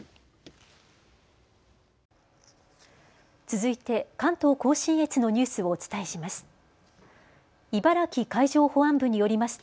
続いて関東甲信越のニュースをお伝えします。